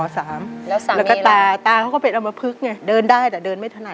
แล้วก็ตาตาเขาก็เป็นอมพลึกไงเดินได้แต่เดินไม่ถนัด